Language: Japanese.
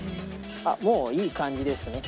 あっもういい感じですね。